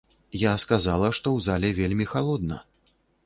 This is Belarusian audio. Я сказала, што ў зале вельмі халодна.